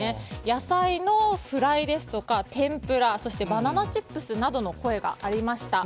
野菜のフライですとか天ぷらそしてバナナチップスなどの声がありました。